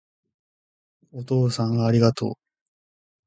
お父さんありがとう